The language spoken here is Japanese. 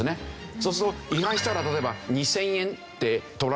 そうすると違反したら例えば２０００円って取られる。